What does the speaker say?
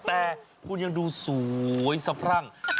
แต่คุณยังดูสวยสะพรั่ง